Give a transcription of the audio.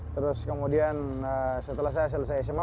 terus kemudian setelah saya selesai sma